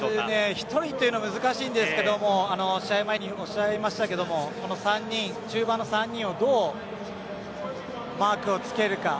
１人というのが難しいんですけど試合前におっしゃいましたけどこの３人、中盤の３人をどうマークをつけるか。